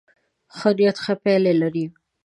ښه نيت ښه پایله لري.